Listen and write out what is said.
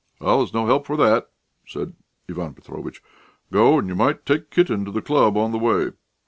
"Well, there's no help for that," said Ivan Petrovitch. "Go, and you might take Kitten to the club on the way."